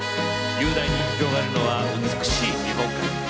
雄大に広がるのは美しい日本海。